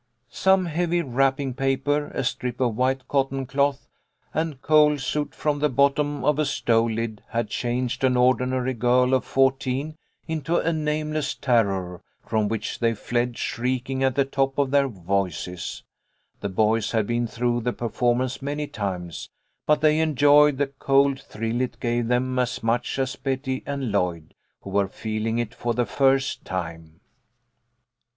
Some heavy wrapping paper, a strip of white cotton cloth, and coal soot from the bottom of a stove lid had changed an ordinary girl of fourteen into a nameless terror, from which they fled, shriek ing at the top of their voices. The boys had been through the performance many times, but they en joyed the cold thrill it gave them as much as Betty and Lloyd, who were feeling it for the first time.